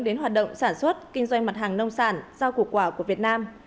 đến hoạt động sản xuất kinh doanh mặt hàng nông sản giao củ quả của việt nam